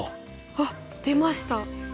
あっ出ました！